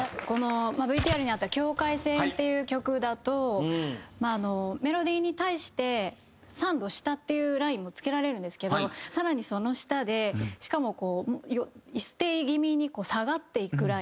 このＶＴＲにあった『境界線』っていう曲だとあのメロディーに対して３度下っていうラインもつけられるんですけど更にその下でしかもこうステイ気味に下がっていく